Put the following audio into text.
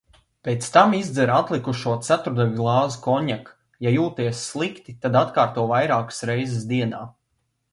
Pēc tam izdzer atlikušo ceturtdaļglāzi konjaka. Ja jūties slikti, tad atkārto vairākas reizes dienā.